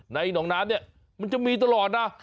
หนองน้ำเนี่ยมันจะมีตลอดนะ